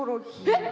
えっ！